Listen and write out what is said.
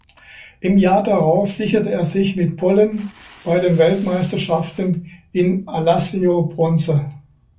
Im Jahr darauf sicherte er sich mit Pollen bei den Weltmeisterschaften in Alassio Bronze.